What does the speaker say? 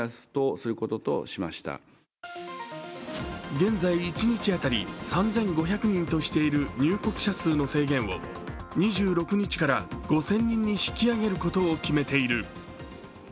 現在一日当たり３５００人としている入国者数の制限を２６日から５０００人に引き上げることを決めている。